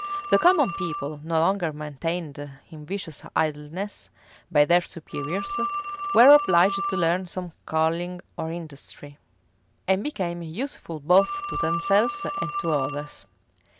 The common people, no longer maintained in vicious idleness by their superiors, were obliged to learn some calling or industry, and became useful both to themselves and to others.